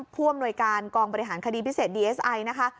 ผู้อำนวยการกองบริหารคดีพิเศษดีเอสไอนะคะ